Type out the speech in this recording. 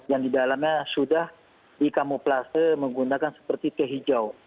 yang di dalamnya sudah di kamuplase menggunakan seperti teh hijau